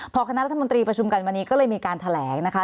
พอคณะรัฐมนตรีประชุมกันวันนี้ก็เลยมีการแถลงนะคะ